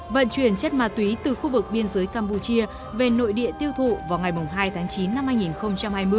vận chuyển chất ma túy từ khu vực biên giới campuchia về nội địa tiêu thụ vào ngày hai tháng chín năm hai nghìn hai mươi